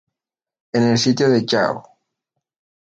En el sitio de Yahoo!